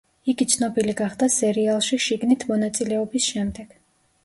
იგი ცნობილი გახდა სერიალში „შიგნით“ მონაწილეობის შემდეგ.